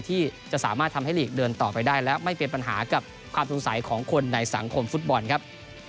ที่จะสามารถทำให้ลีกเดินต่อไปได้และไม่เป็นปัญหากับความสงสัยของคนในสังคมฟุตบอลครับ